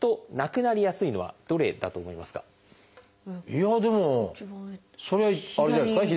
いやでもそれあれじゃないですか？